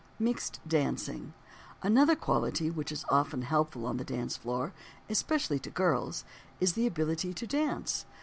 _ MIXED DANCING Another quality which is often helpful on the dance floor, especially to girls, is the ability to dance.